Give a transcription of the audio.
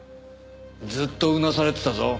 ずっとうなされてたぞ。